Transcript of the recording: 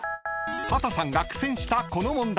［畑さんが苦戦したこの問題］